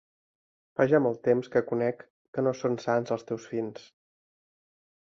Fa ja molt temps que conec, que no són sants els teus fins.